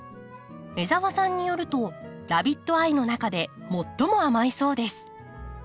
江澤さんによるとラビットアイの中で最も甘いそうです。